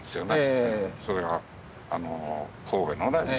それがあの神戸のね